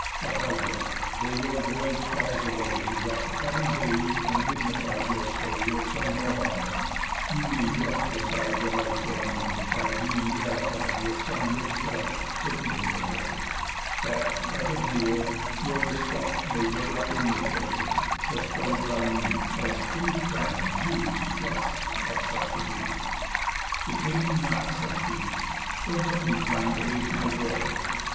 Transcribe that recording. Abide yet, though your voyage calls away, That, having bath'd, and dignified your stay With some more honour, you may yet beside Delight your mind by being gratified With some rich present taken in your way, That, as a jewel, your respect may lay Up in your treasury, bestow'd by me, As free friends use to guests of such degree." "Detain me not," said she, "so much inclin'd To haste my voyage.